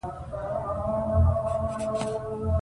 په ازادي راډیو کې د سوداګري اړوند معلومات ډېر وړاندې شوي.